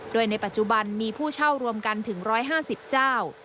โดยในปัจจุบันมีผู้เช่ารวมกันถึง๑๕๐เจ้า